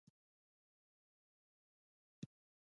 د موبایل اپلیکیشن د کرنې لپاره شته؟